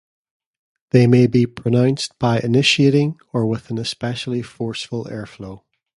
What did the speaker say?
They may be pronounced by initiating or with an especially forceful airflow.